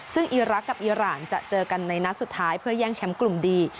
ซึ่งอีรักษ์กับอีรานจะเจอกันในนัดสุดท้ายเพื่อแย่งแชมป์กลุ่มดี